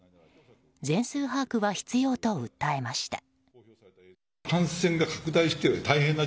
全数把握は必要と訴えました。